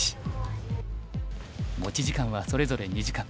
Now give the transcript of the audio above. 持ち時間はそれぞれ２時間。